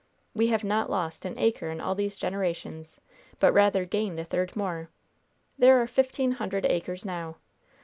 We have not lost an acre in all these generations, but rather gained a third more. There are fifteen hundred acres now.